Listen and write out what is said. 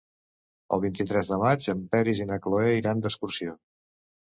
El vint-i-tres de maig en Peris i na Cloè iran d'excursió.